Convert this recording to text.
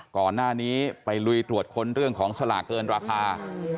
ก่อนหน้านี้ไปลุยตรวจค้นเรื่องของสลากเกินราคา